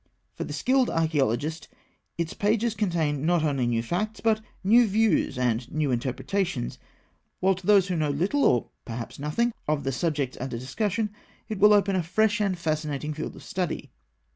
For the skilled archaeologist, its pages contain not only new facts, but new views and new interpretations; while to those who know little, or perhaps nothing, of the subjects under discussion, it will open a fresh and fascinating field of study.